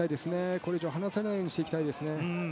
これ以上離されないようにしていきたいですね。